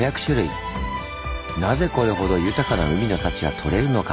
なぜこれほど豊かな海の幸が獲れるのか？